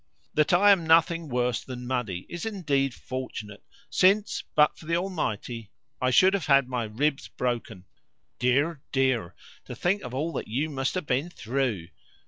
"That I am nothing worse than muddy is indeed fortunate, since, but for the Almighty, I should have had my ribs broken." "Dear, dear! To think of all that you must have been through.